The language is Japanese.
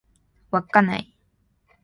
稚内